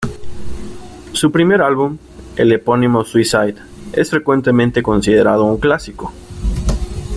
Su primer álbum, el epónimo Suicide, es frecuentemente considerado un clásico.